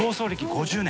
５０年！？